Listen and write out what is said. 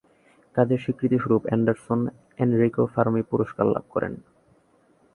কাজের স্বীকৃতিস্বরূপ Anderson Enrico Fermi পুরস্কার লাভ করেন।